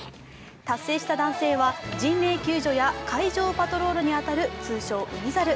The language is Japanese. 達成した男性は、人命救助や海上パトロールに当たる通称、海猿。